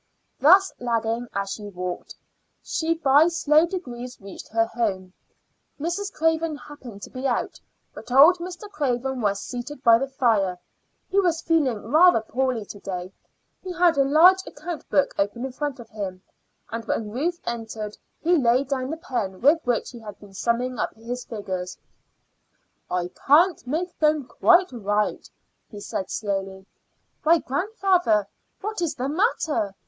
Thus, lagging as she walked, she by slow degrees reached her home. Mrs. Craven happened to be out, but old Mr. Craven was seated by the fire. He was feeling rather poorly to day. He had a large account book open in front of him, and when Ruth entered he laid down the pen with which he had been summing up his figures. "I can't make them quite right," he said slowly. "Why, grandfather, what is the matter?"